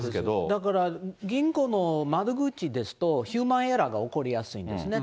だから銀行の窓口ですと、ヒューマンエラーが起こりやすいんですね。